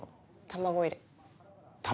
卵入れ？